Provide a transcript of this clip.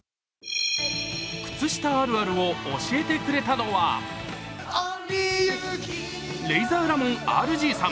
靴下あるあるを教えてくれたのはレイザーラモンＲＧさん。